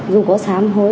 dù có sám hối